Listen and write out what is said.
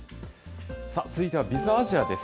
続いてはＢｉｚアジアです。